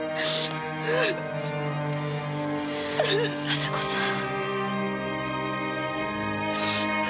朝子さん。